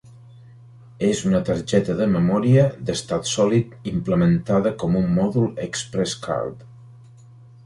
És una targeta de memòria d'estat sòlid implementada com un mòdul ExpressCard.